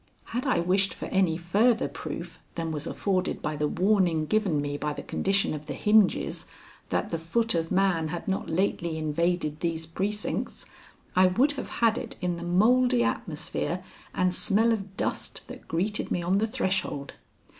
Had I wished for any further proof than was afforded by the warning given me by the condition of the hinges, that the foot of man had not lately invaded these precincts, I would have had it in the mouldy atmosphere and smell of dust that greeted me on the threshold.